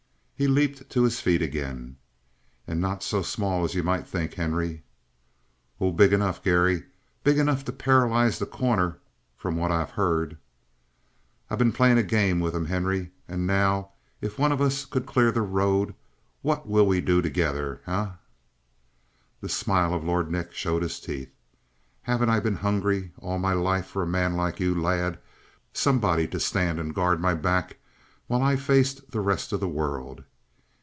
He leaped to his feet again. "And not so small as you might think, Henry!" "Oh, big enough, Garry. Big enough to paralyze The Corner, from what I've heard." "I've been playing a game with 'em, Henry. And now if one of us could clear the road, what will we do together? Eh?" The smile of Lord Nick showed his teeth. "Haven't I been hungry all my life for a man like you, lad? Somebody to stand and guard my back while I faced the rest of the world?"